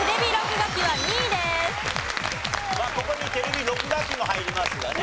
ここにテレビ録画機も入りますがね。